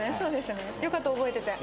よかった覚えてて。